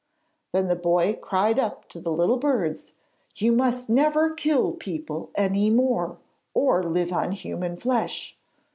Then the boy cried up to the little birds: 'You must never kill people any more, or live on human flesh.